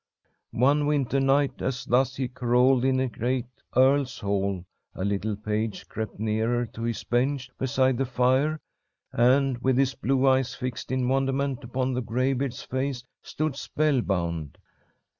"One winter night, as thus he carolled in a great earl's hall, a little page crept nearer to his bench beside the fire, and, with his blue eyes fixed in wonderment upon the graybeard's face, stood spellbound.